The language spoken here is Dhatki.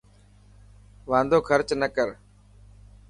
واندو خرچ نه ڪر.